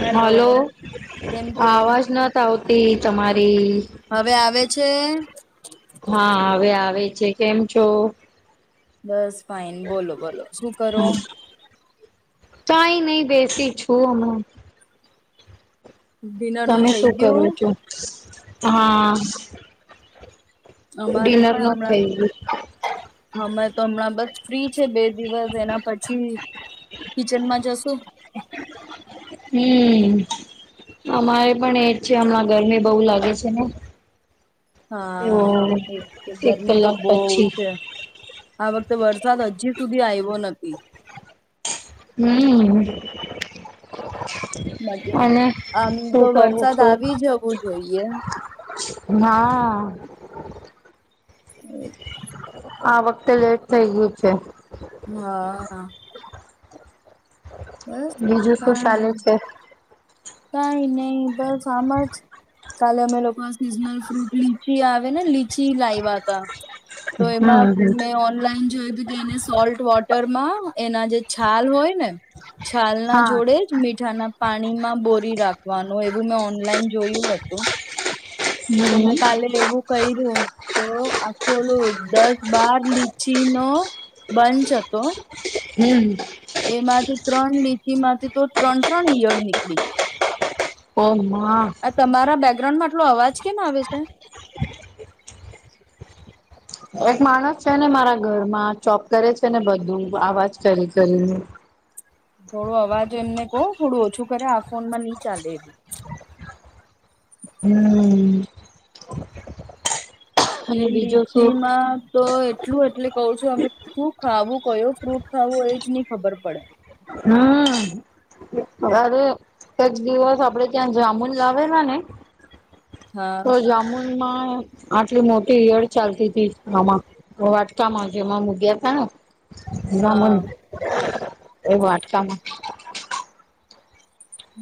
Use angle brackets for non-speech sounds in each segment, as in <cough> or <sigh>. Hello hello, કેમ છો? અવાજ ન થ આવતો તે તમારે હવે આવે છે. હા હવે આવે છે કેમ છો બસ ફઇન બોલો બોલો શું કરો કંઈ, નહી બેસી છું હ, ડિનર નું તમે થઈ શું કરો ગયું? છો. હા હા અમારે ડિનર પણ ના હમણાં ખાયું. અમે તો, હમણાં બસ ફ્રી છે બે દિવસ એના પછી કિચનમાં જશો. હમ અ. અમારે પણ એજ છે, હમણાં ગરમી બો લાગે છે ને તો હા અ એ છે, એક ગરમી તો કલાક બોવ પછી છે. આ વખતે વરસાદ હજી સુધી આયવો નથી. હમ અ મજી, આમ તો કરું વરસાદ છો આવી જવું જોઈએ. હા હ અ આ વખતે લેટ થય ગયું છે. હા અ આ બીજું શું ચાલે છે? કાય નય બસ. સામજ કાલે અમે લોક નો સ સીઝનલ ફ્રૂટ લીચી આવ એને લી પછી, લાયવા તા તો એમાં હમ મેં ઓનલાઈન જોયું તું, કે એને સોલટ વોટ ટર માં એના જે છાલ હોય ને છાલ ના હા જોડે જ મીઠાના પાણીમાં બોરી રાખવાનું એવું મે ઓનલાઈન જોયું હતું. તો હમ મેં કાલે એવું કર્યું તો આખું લું દસ બાર લીચી નો બંચ હતો. હમ. એમાંથી ત્રણ લીચી માંથી તો ત્રણ ત્રણ ઇયળ નીકળી. ઓમાં આ તમારા બેકગ્રાઉન્ડ મા આટલો, અવાજ કેમ આવે છે. એક માણસ છે ને મારા ઘરમાં ચોપ કરે છે ને, બધું આવાજ કરી કરીને થોડો અવાજ એમને કહો થોડું ઓછું કરે આ ફોનમાં ની ચાલે એવું હમ. જે અને બીજું શું લીચી માં તો એટલું એટલે કઉ છું અવે શું ખાવું, કયો ફ્રૂટ ખાવું એ જ ની ખબર પડે. હમ અ, અરે એક દિવસ આપડે ત્યાં જામુન લાવેલા ને હા તો જામુન માં આટલી મોટી ઈયળ ચાલતી તી આમાં, વાટકામાં જેમાં મુગયા તા ને બ્રાહ્મન હા એ વાટકામાં...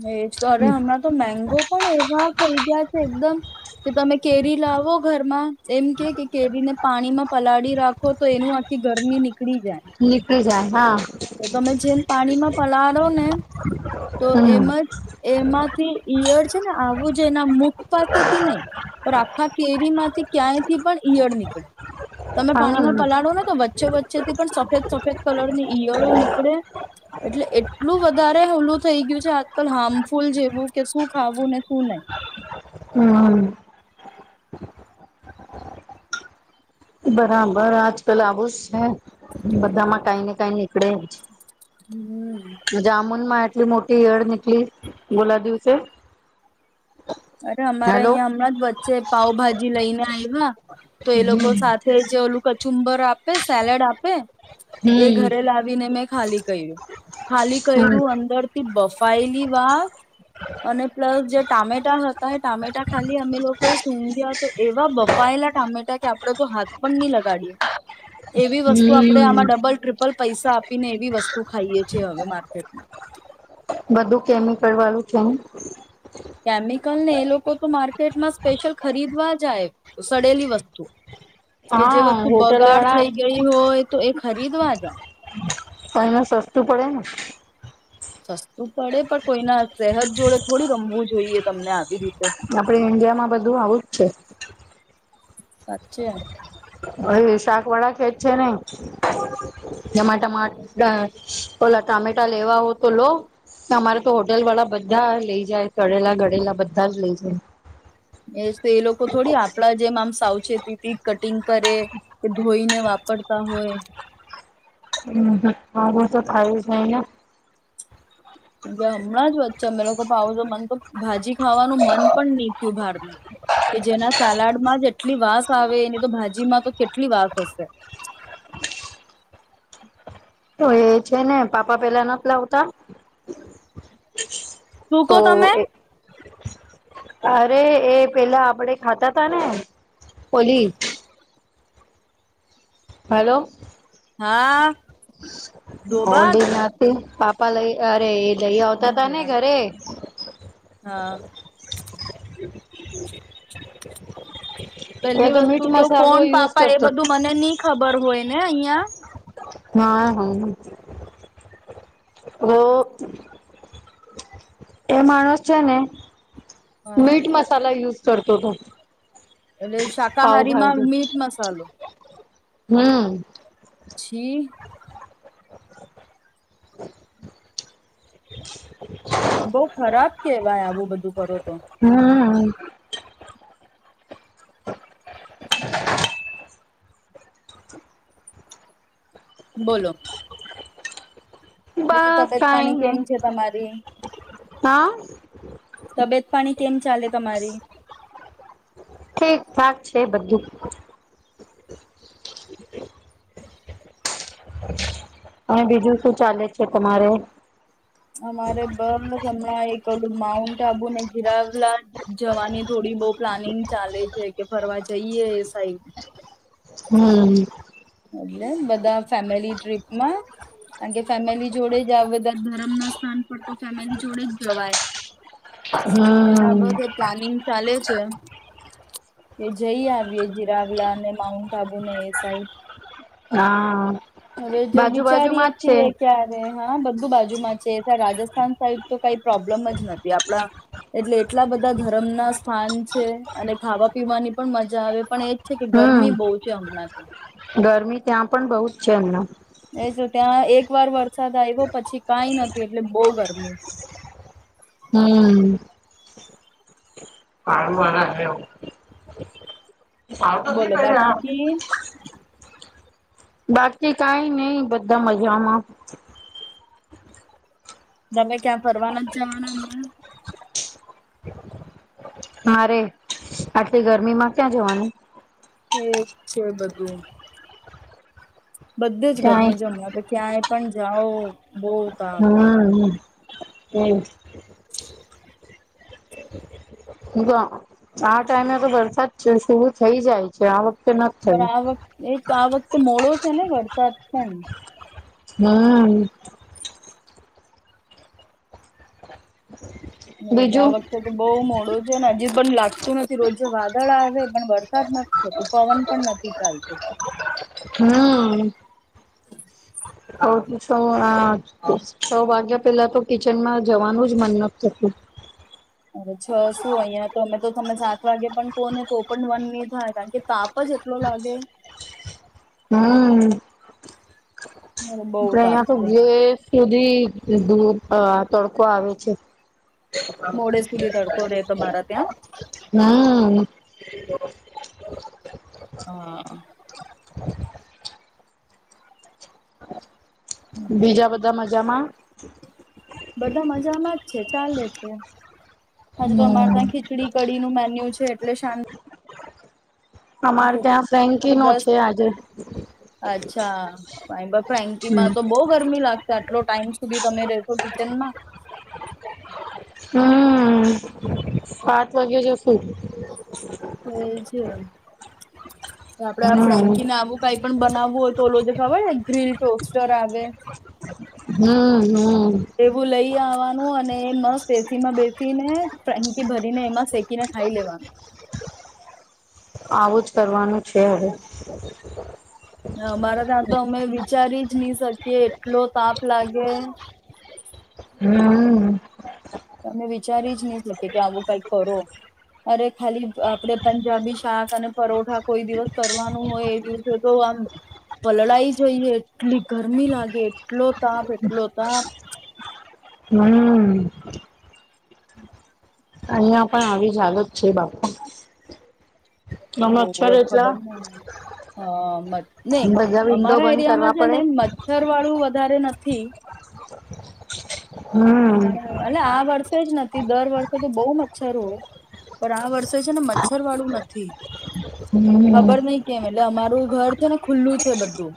હા એ જ તારે હમણાં તો મેંગો પણ એવા થઈ ગયા છે એકદમ કે, તમે કેરી લાવો ઘરમાં એમ કે કે કેરીને... પાણીમાં. પલાળી રાખો તો એનું આખી ગરમી નીકળી જાય. નીકળી જાય હા. તો તમે જેમ પાણીમાં પલાળો ને તો એમ હમ જ એમાંથી ઈયળ છે ને આવું જ એના મુખ પાસેથી નહી પણ આખા કેરી માંથી ક્યાંય થી પણ ઈયળ નીકળે. કળે. તમે હમ પાણીમાં પલાળો ને તો વચ્ચે વચ્ચે થી પણ સફેદ સફેદ કલર ની... ઈયળો નીકળે. એટલે એટલું વધારે હુલું થઈ ગયું છે આજકાલ હાર્મફુલ જેવું કે શું ખાવું ને શું નહી. હમ. બરાબર આજ કલ આવું જ સે, બધામાં કાઈ ને કાઈ. કળે હમ જ જામુન માં... એટલી મોટી ઈયળ નીકલી ઓલા દિવસે. અરે અમારે હાલો અહીંયા હમણાં જ વચ્ચે પાાવભાજી લઈને આયવા તો એ લોકો સાથે. તે જે ઓલું કચુંબર આપે સેલેડ આપે. એ હમ ઘરે લાવીને મે ખાલી કર્યું ખાલી હમ કર્યું અંદર થી બફ પહેલી વાત. અને પ્લસ જે ટામેટ. ત હતા એ ટામેટા ખાલી અમે લોકો એ <unintelligible> તો એવા બફાયેલા ટામેટા કે આપડે તો હાથ પણ નહી લગાડીએ. એવી વસ્તુ આપણે હમ આમાં ડબલ <unintelligible> પૈસા આપીને એવી વસ્તુ ખાઈએ છીએ હવે માર્કેટમાં. બધું કેમિકલ વાળું <unintelligible> કેમિકલ ને એ લોકો તો માર્કેટમાં સ્પેશિયલ ખરીદવા જાય સડેલી વસ્તુ. <unintelligible> હા વસ્તુ હોટલ બગાડ વાળા થઈ ગઈ હોય તો એક. ખરીદવાજ. તો એમાં સસ્તું પડે ને. સસ્તું પડે પણ કોઈના સહજ જોડે થોડી રમવું જોઈએ તમને આવી રીતે. આપડે ઈન્ડિયા માં બધું આવું જ છે. <unintelligible> હવે શાક વાળા કેજ છે. ને જેમાં ટ ઓલા ટામેટા લેવા હો તો લો અમારે તો હોટેલ વાળા બધા લઈ જાય કળેલા ગળેલા બધા જ લઇ જાય. એ તો એ લોકો થોડી આપડા જેમ આમ સાવ કટિંગ કરે કે ધોઈને વાપરતા હોય. હમ હ હા બું તો થાય જ નાય ને. <unintelligible> હમણાં જ. મે લોકો પાવજો મન તો ભાજી ખાવાનું મન પણ નહીું ઉભાર કે જેના સલાડમાં જ એટલી વાસ આવે એની તો ભાજી માં તો કેટલી વાસ હશે તો એ છે, ને પાપા પેલા નથી લાવતા. શુ તો <unintelligible> તમે. અરે એ પેલા આપડે ખાતા તા ને પોલી. હલો. હા <inaudible> ડોબા <unintelligible> અરે એ લઈ આવતા મમ્મી તા ને યાર ઘરે. હા. હમ. પેલી વસ્તુ તો મસાલો કોણ યુઝ પાપા એ કરતો બધું મને <unintelligible> ખબર હોય ને <unintelligible> હા હા <unintelligible> <unintelligible> એ માણસ છે, ને. હા મીટ મસાલા યુઝ. <unintelligible> તોતો. એટલે શાકાહારી માં મીટ મસાલો. હમ. છી. <inaudible> બઉ ખરાબ કેવાય આવું બધું કરો તો. <inaudible> <unintelligible> બોલોલો. બીજું બસ તબિયત કઈ પાણી કેમ નઈ છે તમારી હા તબિયત પાણી કેમ ચાલે તમારી. ક્યાક છે બધું. <inaudible> અને બીજું શું ચાલે છે તમારે. અમારે બમના એક. કલું માઉન્ટ આબુને જીરાવલા જવાની થોડી બઉ પ્લાનિંગ ચાલે છે કે ફરવા જઈએ એ સાઈડ. હમ્મ. વાગય બધા. ફેમિલી ટ્રીપ માં. કાર કે ફેમિલી જોડે જઓ બધા ધરમ ના સ્થાન. પણ, તો ફેમિલી જોડે જ જવાય હમણાં હમ્મ બસ એ પ્લાનિંગ ચાલે છે. એ, જઈ આવીએ જીરાવલા અને માઉન્ટ આબુને એ સાઈડ. હા. હવે, જો બાજુ વિચારીએ બાજુમાં જ છે. છીએ ક્યારે હા બધું. બાજુમાં છે. રાજસ્થાન સાઈડ તો કંઈક પ્રોબ્લેમ જ નથી આપડા એટલે એટલા બધા ધર્મ ના સ્થાન અને ખાવા પીવાની પણ મજા આવે પણ એ છે, કે હમ્મ ગરમી બહુ છે હમણાં ત્યાં. ગરમી ત્યાં પણ બહુ જ છે એમને. બરોબર. વરસાદ આવ્યો પછી કાંઈ નથી એટલે બહું ગરમી. <inaudible> હમ્મ. <unintelligible> સારું તો તે બોલો બાકી <unintelligible> બાકી કાંઈ નહીં બધા મજામાં. તમે ક્યાં ફરવાના નથ જવાના હમણાં? મારે આટલી ગરમીમાં ક્યાં જવાનું. એજ છે બધું. બધે જ ક્યાંય ગરમી હમણા તો ક્યાંય પણ જાઓ બહુ તાપ હમ્મ. હમ્મ. વાહ, આ ટાઈમે તો વરસાદ શરુ થઈ જાય છે આ વખતે નથી પણ થયું. આ વખતે એ તો આ વખતે મોડો છે ને વર સ્વાદ પણ હમ્મ. એ જ આ બીજું વખતે તો બહુ મોડું છે ને હજી પન લાગ તું નથી રોજ વાદળ આવે પણ વરસાદ નથી થતું પવન પણ નથી ચાલતું. હમ્મ. અ તો આ છ વાગ્યા પેલા તો કિચનમાં જવાનું જ મન નથ થતું અરે છ શું અહિયાં તો અમે તો તમે સાત વાગે પણ કોને તો પણ મન નહી થાય કારણ કે તાપ જ એટલો લાગે. હમ્મ. બહુ આપણે તાપ અહીંયા તો છે ગેર સુધી અને ધુઓ અ તડકો આવે છે. મોડે સુધી તડકો રે તમારા ત્યાં નાઆઆ. <inaudible> હા. <inaudible> <inaudible> બીજા બધા મજામાં. બધા મજામાં જ છે ચાલે છે. હજે તો અમારે હમ્મ. ત્યાં ખીચડી કડી નું મેન્યુ છે. એટલે શાંત. અમારે ત્યાં ફ્રેન્કી નો દસ છે આજે. અચ્છા <unintelligible> બપ ફ્રેન્કી માં હમ્મ. તો બહુ ગરમી લાગ આટલો ટાઈમ સુધી તમે રશો કિચનમાં હમ્મ સાત વાગે જશું. એ છે. <inaudible> આપડે આ હમ્મ. ફ્રેન્કી ને આવું કઈ. પણ બનાવવું હોય તો ઓલો ખબરને ગ્રીલ ટોસ્ટર આવે હમ્મ હમ્મ તે બુ લઈ. આવવાનું અને મસ્ત એસી માં બેસીને ફેન્કી ભરીને એમાં શેકીને ખાઈ લેવાનું. આવું જ કરવાનું છે હવે. હ અમારા ત્યાં તો અમે વિચારી. નહી શકી એટલો તાપ લાગે. હમ. તમે, વિચારી જ નહી, શકી કે આવું કઈ કરો અરે ખાલી આપણે પંજાબી શાક અને પરોઠા કોઈ દિવસ કરવાનું હોય એ દિવસે તો આમ વલળાય જઈએ એટલી ગરમી લાગે એટલો. તાપ એટલો તાપ હમ. <inaudible> અહિયાં, પણ આવી જ હાલત છે. બાપુ. બહ, જ ખબર ન હ નહી બધા વિન્ડો અમારા બંધ એરિયામાં કરવા છે પડે. ને મચ્છર વાળું વધારે નથી. <inaudible> <unintelligible> અમારે એ આ વર્ષે જ નથી. દર વર્ષે તો બહુ મચ્છર હોય. પણ, આ વર્ષે છે ને મચ્છર વાળું નથી. હમ ખબર નઈ કેમ એટલે અમારું. ઘર તોને. ખુલ્લું છે બધું.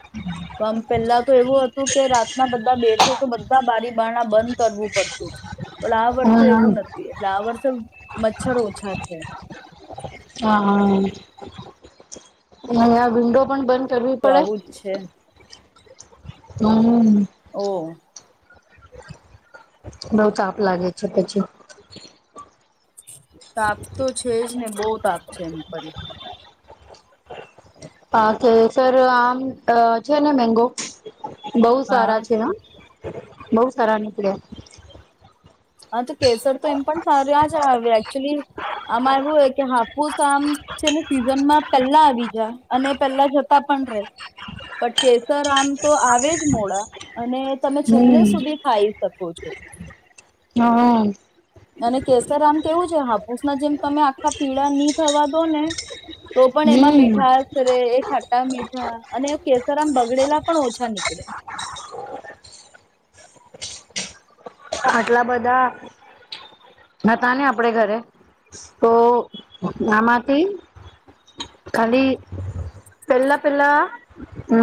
આમ પેલા તો એવું હતું કે રાતના બધા બેઠ કે બધા બારીબારણા બંધ. કરવું પડતું. પણ આ વર્ષે હમ એવું નથી એટલે આ વર્ષે. મચ્છર ઓછા છે. અને વિન્ડો પણ બંધ. કરવી તો પડે આવુંજ છે. હમ. ઓ. બઉુ તાપ લાગે છે પછી. પાપ તો છે જ. ને બહત આપ છે એમ પણ. હા કે સર આમ છે ને મેંગો. બહુ હા સારા છે હ. બહુ સારા નીકળ્યા. હા તો કેસર તો એમ પણ સાર જ આવે એકચુલી આમાં એવું હો કે હા. ુસ આમ છે, ને સીઝનમાં પેલા આવી જાય. અને પેલા જતા પણ રે પણ કેસર આમ તો આવે જ મોડા. અને તમે છેલ્લે હમ સુધી ખાઈ શકો. પછો. હા અને કેસર આમ કેવું છે હા. ઓષના જેમ તમે આખા પીળા નની થવા. દોન. તો પણ એમાં હમ મીઠાસરે એ ખાટા મીઠા અને કેસારમ બગડેલા પણ ઓછા નીકળે. આટલા બધા હતા ને આપડ ઘરે તો આમાંથી ખાલી પેલા પેલા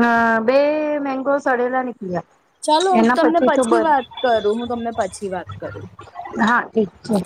અ બે મેંગો સડેલા ની ચાલો હું તમને પછી વાત કરું હું તમને પછી વાત કરું હા ઠીક છે.